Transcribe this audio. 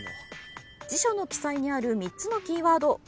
辞書の記載にある３つのキーワード